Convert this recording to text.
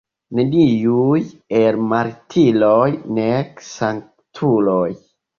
Neniuj el martiroj, nek sanktuloj.